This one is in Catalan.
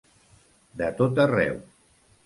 De tot arreu.